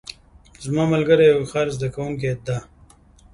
زما ملګری یو هوښیار زده کوونکی ده